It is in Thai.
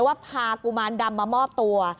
ว่าพากุมารดำมามอบตัว